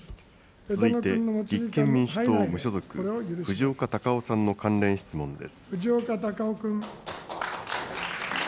続いて立憲民主党・無所属、藤岡隆雄さんの関連質問です。